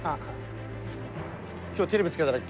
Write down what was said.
今日テレビつけたら。